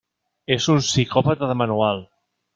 És un psicòpata de manual.